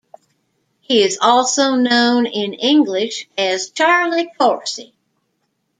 He is also known in English as "Charlie Corsey".